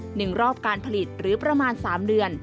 หนึ่งรอบการผลิตหรือประมาณสามเดือน